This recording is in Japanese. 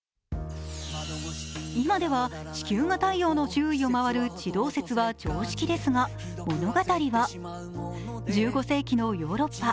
今では地球が太陽の周りを回る地動説は常識ですが１５世紀のヨーロッパ。